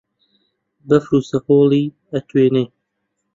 بەفر و سەهۆڵی ئەتوێنێ